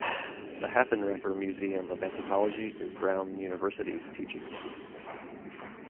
The Haffenreffer Museum of Anthropology is Brown University's teaching museum.